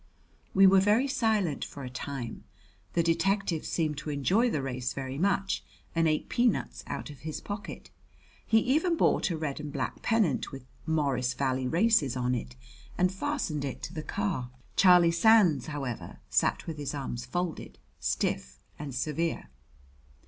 We were very silent for a time. The detective seemed to enjoy the race very much and ate peanuts out of his pocket. He even bought a red and black pennant, with "Morris Valley Races" on it, and fastened it to the car. Charlie Sands, however, sat with his arms folded, stiff and severe.